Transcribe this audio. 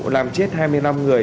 làm chết hai mươi năm người